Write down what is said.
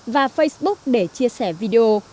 và facebook để chia sẻ video